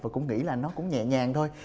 và cũng nghĩ là nó cũng nhẹ nhàng thôi